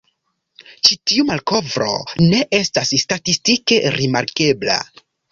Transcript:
Ĉi tiu malkovro ne estas statistike rimarkebla.